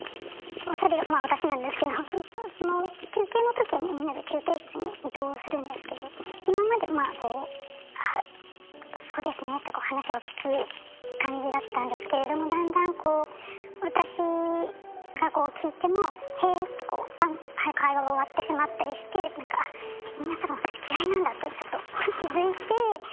それまあ私なんですけどその休憩のときにみんなで休憩室に移動するんですけど今までまあこう「そうですね」って話を聞く感じだったんですけれどもだんだんこう私が聞いても「へぇ」ってバンって会話が終わってしまったりしてなんかってちょっと気付いて。